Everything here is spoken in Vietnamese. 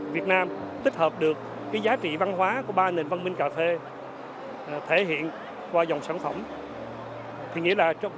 việt nam tích hợp được giá trị văn hóa của ba nền văn minh cà phê thể hiện qua dòng sản phẩm